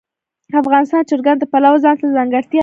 افغانستان د چرګان د پلوه ځانته ځانګړتیا لري.